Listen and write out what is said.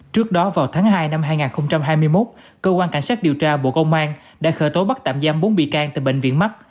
trước đó vào tháng hai năm hai nghìn hai mươi một cơ quan cảnh sát điều tra bộ công an đã khởi tố bắt tạm giam bốn bị can từ bệnh viện mắt